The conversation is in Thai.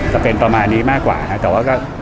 จะเป็นประมาณนี้มากกว่านะแต่ว่าก็